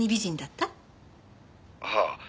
「はあ。